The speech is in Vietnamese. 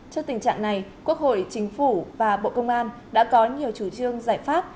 trước tình trạng này quốc hội chính phủ và bộ công an đã có nhiều chủ trương giải pháp